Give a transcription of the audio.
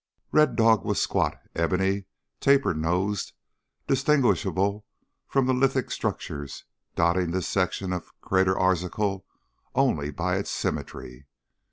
Red Dog was squat, ebony, taper nosed, distinguishable from the lithic structures dotting this section of Crater Arzachel only by its symmetry.